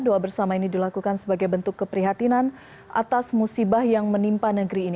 doa bersama ini dilakukan sebagai bentuk keprihatinan atas musibah yang menimpa negeri ini